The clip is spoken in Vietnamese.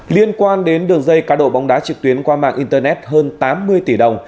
liên quan đến đường dây cá độ bóng đá trực tuyến qua mạng internet hơn tám mươi tỷ đồng